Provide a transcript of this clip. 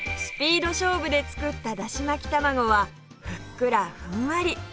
スピード勝負で作っただし巻き卵はふっくらふんわり